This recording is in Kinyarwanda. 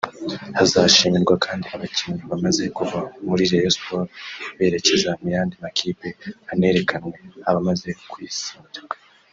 Hazashimirwa kandi abakinnyi bamaze kuva muri Rayon Sports berekeza mu yandi makipe hanerekanwe abamaze kuyisinyira